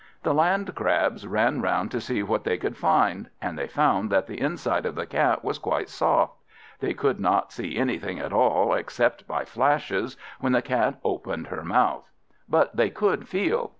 The Landcrabs ran round to see what they could find; and they found that the inside of the Cat was quite soft. They could not see anything at all, except by flashes, when the Cat opened her mouth, but they could feel.